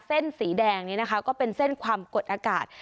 เส้นสีแดงนี้นะคะก็เป็นเส้นความกดอากาศ